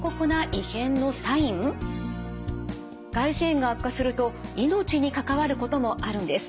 外耳炎が悪化すると命に関わることもあるんです。